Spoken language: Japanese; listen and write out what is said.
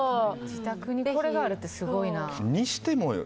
自宅にこれがあるってすごいな。にしてもよ。